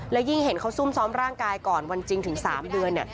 และยิ่งเห็นเขาซุ่มซ้อมร่างกายก่อนวันจริงถึง๓เดือนเนี่ย